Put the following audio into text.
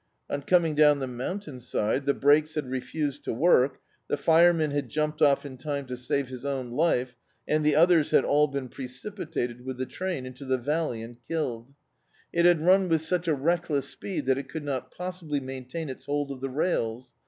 On coming down the mountain side, the brakes had refused to work, the fireman had jumped off in time to save his own life, and the others had all been precipitated with the train into the valley and killed. D,i.,.db, Google Home It had run with such a reckless speed that it could not possibly muntain its hold of the rails.